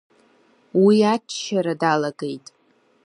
Уи аччара далагеит.